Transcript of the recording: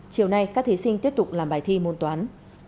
chiều nay các thí sinh tiếp tục làm bài thi môn toán